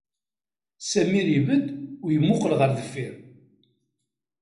Sami ibedd u yemmuqqel ɣer deffir.